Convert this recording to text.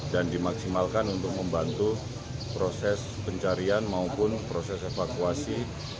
dan dimaksimalkan untuk membantu proses pencarian maupun proses evakuasi